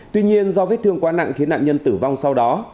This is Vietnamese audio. tuy nhiên do vết thương quá nặng khiến nạn nhân tử vong sau đó